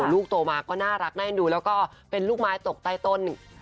ลูกโตมาก็น่ารักน่าเอ็นดูแล้วก็เป็นลูกไม้ตกใต้ต้น